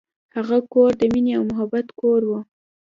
هغه کور د مینې او محبت کور و.